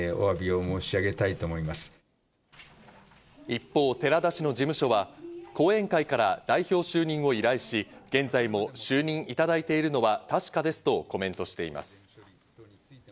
一方、寺田氏の事務所は後援会から代表就任を依頼し、現在も就任いただいているのは確かですとコメントしています。